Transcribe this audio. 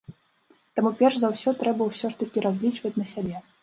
Таму перш за ўсё трэба ўсё ж такі разлічваць на сябе.